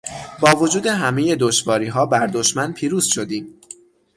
با وجود همهی دشواریها بر دشمن پیروز شدیم.